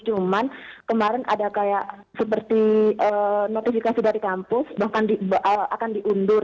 cuman kemarin ada kayak seperti notifikasi dari kampus bahkan akan diundur